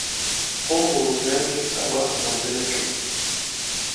خۆم بۆ ڕوودانی ئەوە ئامادە نەکردبوو.